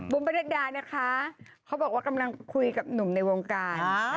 ประเด็ดดานะคะเขาบอกว่ากำลังคุยกับหนุ่มในวงการ